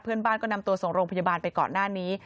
เพื่อนบ้านก็นำตัวส่งโรงพยาบาลไปก่อนหน้านี้